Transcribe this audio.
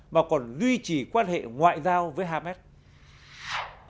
mà còn duy trì quan hệ ngoại giao tổ chức hợp tác hồi giáo thụy sĩ lại có đánh giá và xử xử ngược lại